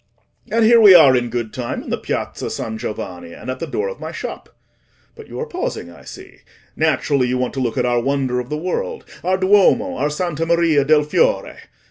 And here we are in good time in the Piazza San Giovanni, and at the door of my shop. But you are pausing, I see: naturally, you want to look at our wonder of the world, our Duomo, our Santa Maria del Fiore.